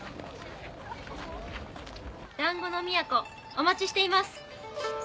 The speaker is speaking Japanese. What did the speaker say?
「団子のみやこお待ちしています」